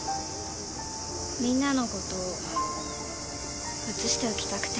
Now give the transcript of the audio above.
みんなのこと写しておきたくて。